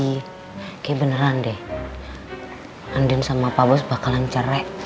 kayak beneran deh andin sama pak bos bakalan cerai